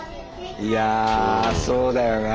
いやそうだよなあ。